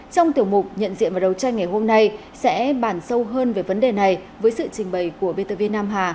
trong tiểu mục nhận diện và đầu tranh ngày hôm nay sẽ bàn sâu hơn về vấn đề này với sự trình bày của btv nam hà